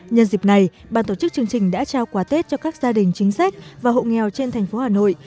nhân dịp này ban tổ chức chương trình đã trao quà tết cho các gia đình chính sách và hộ nghèo trên thành phố hà nội